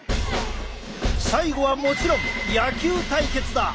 最後はもちろん野球対決だ！